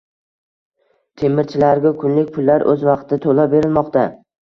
Terimchilarga kunlik pullar o‘z vaqtida to‘lab berilmoqda